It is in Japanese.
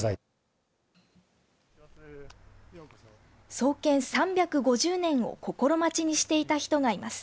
創建３５０年を心待ちにしていた人がいます。